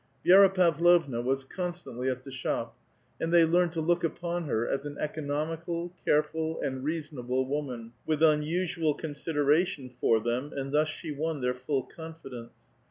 Vi6ra Pavlovna was joiistantly at the shop, and the}' learned to look upon her as an economical, careful, and reasonable woman, with unusual consideration for them, and thus she won their full confi dence.